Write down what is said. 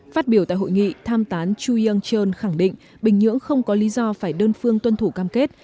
phát biểu tại hội nghị tham tán chu young chun khẳng định bình nhưỡng không có lý do phải đơn phương tuân thủ cam kết